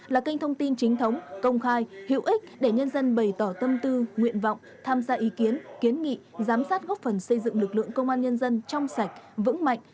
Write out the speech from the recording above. là kênh thông tin chính thống công khai hữu ích để nhân dân bày tỏ tâm tư nguyện vọng tham gia ý kiến kiến nghị giám sát góp phần xây dựng lực lượng công an nhân dân trong sạch vững mạnh